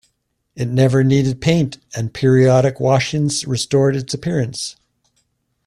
It never needed paint, and periodic washings restored its appearance.